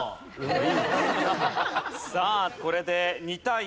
さあこれで２対１。